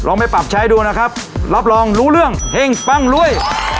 ไปปรับใช้ดูนะครับรับรองรู้เรื่องเฮ่งปั้งรวย